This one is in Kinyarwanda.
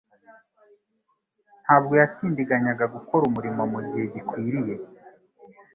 Ntabwo yatindiganyaga gukora umurimo mu gihe gikwiriye